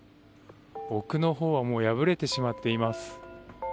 奥のほうはもう破れてしまっています。